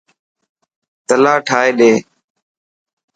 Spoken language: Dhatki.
تلا ٺائي ڏي.